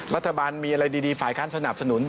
รัฐบาลมีอะไรดีฝ่ายค้านสนับสนุน